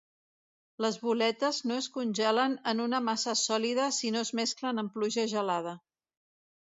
Les boletes no es congelen en una massa sòlida si no es mesclen amb pluja gelada.